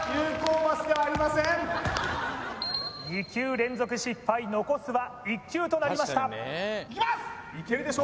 ２球連続失敗残すは１球となりましたいきます